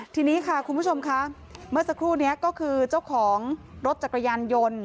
ทีนี้ค่ะคุณผู้ชมค่ะเมื่อสักครู่นี้ก็คือเจ้าของรถจักรยานยนต์